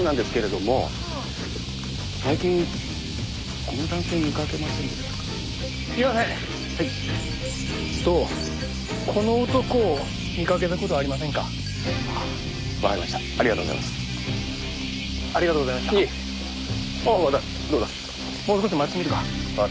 もう少し回ってみるか。